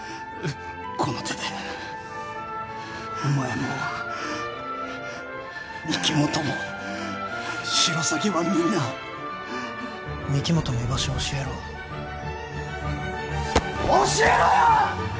この手でお前も御木本もシロサギはみんな御木本の居場所を教えろ教えろよ！